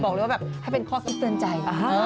เรียกว่าแบบให้เป็นข้อคิดเตือนใจ